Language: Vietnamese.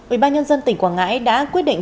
ubnd tỉnh quảng ngãi đã quyết định